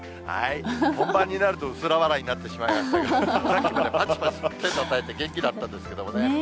本番になると薄ら笑いになってしまいましたけれども、さっきまでぱちぱちと手をたたいて元気だったんですけれどもね。